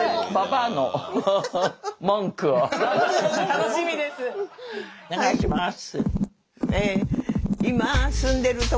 楽しみです。